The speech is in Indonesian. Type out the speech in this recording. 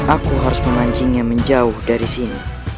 aku harus memancingnya menjauh dari sini